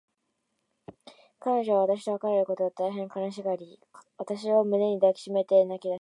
彼女は私と別れることを、大へん悲しがり、私を胸に抱きしめて泣きだしました。